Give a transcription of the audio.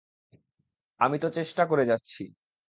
আমি তো চেষ্টা করে যাচ্ছি।